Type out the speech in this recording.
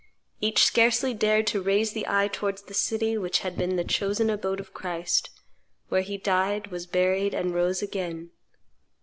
Each scarcely dared to raise the eye towards the city which had been the chosen abode of Christ, where He died, was buried, and rose again.